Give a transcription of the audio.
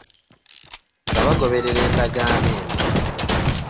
Nga bagoberera endagaano eno